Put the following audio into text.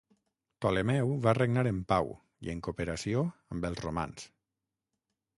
Ptolemeu va regnar en pau i en cooperació amb els romans.